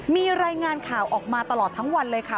มีรายงานข่าวออกมาตลอดทั้งวันเลยค่ะ